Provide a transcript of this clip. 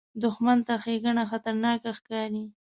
دښمن ته ښېګڼه خطرناکه ښکاري